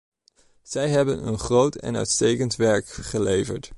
Zij hebben een groot en uitstekend werk geleverd.